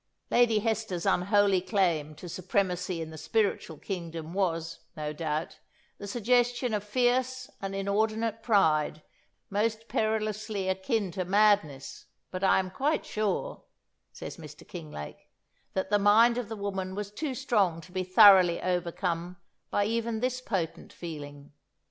"Lady Hester's unholy claim to supremacy in the spiritual kingdom was, no doubt, the suggestion of fierce and inordinate pride, most perilously akin to madness; but I am quite sure," says Mr. Kinglake, "that the mind of the woman was too strong to be thoroughly overcome by even this potent feeling.